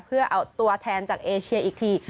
เพื่อเอาตัวแทนจากเอเชียอีกที